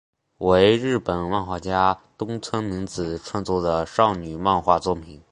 为日本漫画家东村明子创作的少女漫画作品。